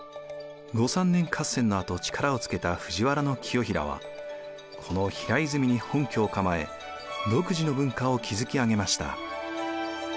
後三年合戦のあと力をつけた藤原清衡はこの平泉に本拠を構え独自の文化を築き上げました。